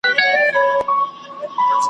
خالي کړي له بچو یې ځالګۍ دي ,